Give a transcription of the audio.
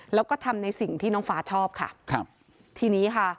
แล้วก็ทำในสิ่งที่น้องฟ้าชอบค่ะครับทีนี้ค่ะ